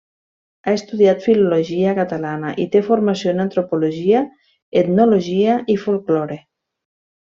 Ha estudiat filologia catalana i té formació en antropologia, etnologia i folklore.